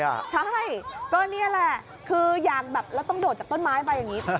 ใช่ก็นี่แหละคืออย่างแบบเราต้องโดดจากต้นไม้ไปอย่างนี้